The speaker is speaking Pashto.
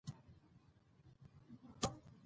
کیمیاګر د معنوي سفر نړیواله نښه ده.